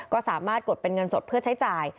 ก็สามารถกดเป็นเงินสดเพื่อใช้จ่าย